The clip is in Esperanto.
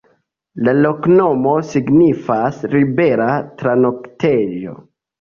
La loknomo signifas: libera-tranoktejo.